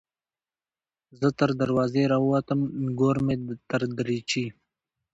ـ زه تر دروازې راوتم نګور مې تر دريچې